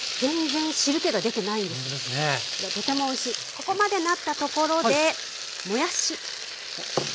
ここまでなったところでもやし。